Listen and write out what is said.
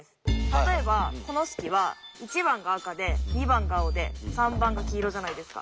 例えばこの式は１番が赤で２番が青で３番が黄色じゃないですか。